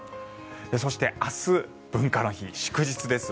そして明日、文化の日祝日です。